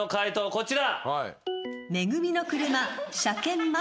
こちら。